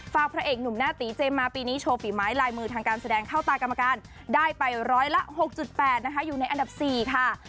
พระเอกหนุ่มหน้าตีเจมมาปีนี้โชว์ฝีไม้ลายมือทางการแสดงเข้าตากรรมการได้ไปร้อยละ๖๘นะคะอยู่ในอันดับ๔ค่ะ